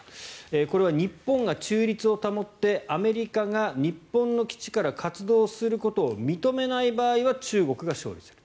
これは日本が中立を保ってアメリカが日本の基地から活動することを認めない場合は中国が勝利すると。